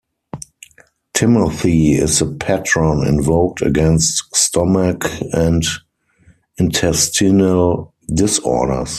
Timothy is the patron invoked against stomach and intestinal disorders.